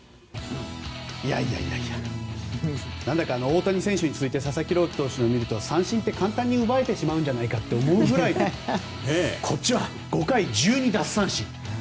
なぜか大谷選手に続いて佐々木朗希投手を見ると三振って簡単に奪えてしまうんじゃないかと思うくらいこっちは５回１２奪三振。